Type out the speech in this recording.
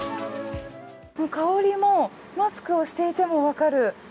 香りもマスクをしていても分かる。